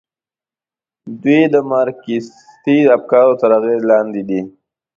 دوی د مارکسیستي افکارو تر اغېز لاندې دي.